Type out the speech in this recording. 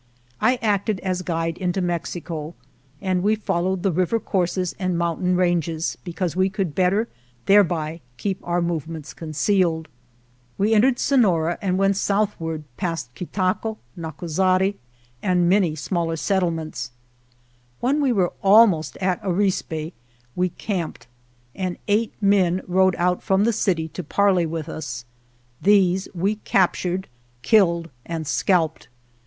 I acted as guide into Mexico, and we fol lowed the river courses and mountain ranges because we could better thereby keep our movements concealed. We entered Sonora 50 2 >— n 8 rt X CO O H « B H o w > O O X r 3 M 3 KAS KI YEH and went southward past Quitaco, Nacozari, and many smaller settlements. When we were almost at Arispe we camped, and eight men rode out from the city to parley with us. These we captured, killed, and scalped.